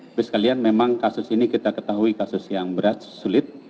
tapi sekalian memang kasus ini kita ketahui kasus yang berat sulit